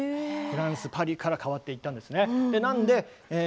フランスパリから変わっていったんですね。